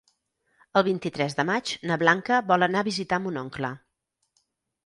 El vint-i-tres de maig na Blanca vol anar a visitar mon oncle.